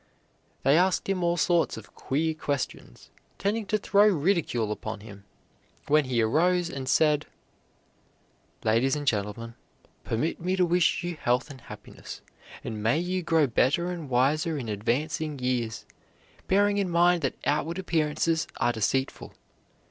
They asked him all sorts of queer questions, tending to throw ridicule upon him, when he arose and said, "Ladies and gentlemen, permit me to wish you health and happiness, and may you grow better and wiser in advancing years, bearing in mind that outward appearances are deceitful.